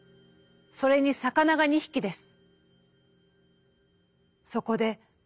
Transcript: それに魚が二匹です』」。